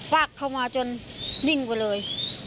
ปรากกเขามาจนนิ่งกว่าเลย